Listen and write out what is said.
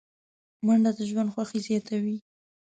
منډه د ژوند خوښي زیاتوي